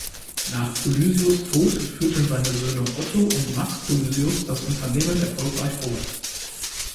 Nach Polysius' Tod führten seine Söhne Otto und Max Polysius das Unternehmen erfolgreich fort.